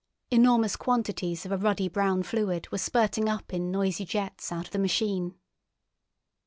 Enormous quantities of a ruddy brown fluid were spurting up in noisy jets out of the machine.